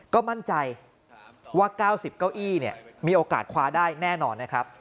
ก็มั่นใจว่า๙๐เก้าอี้มีโอกาสคว้าได้แน่นอนนะครับ